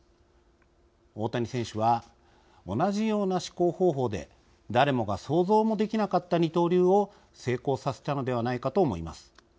大谷選手は同じような思考方法で誰もが想像もできなかった二刀流を成功させたのではないかと思います。